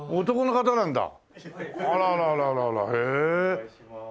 お願いします。